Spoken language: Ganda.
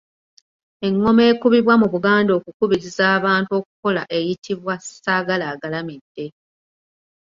Engoma ekubibwa mu Buganda okukubiriza abantu okukola eyitibwa Ssaagalaagalamidde.